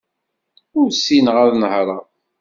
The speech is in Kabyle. Ur ssineɣ ad nehreɣ.